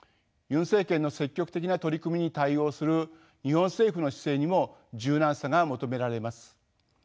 ユン政権の積極的な取り組みに対応する日本政府の姿勢にも柔軟さが求められます。